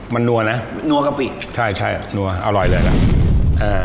มันนัวนะนัวกะปิใช่ใช่นัวอร่อยเลยล่ะเอ่อ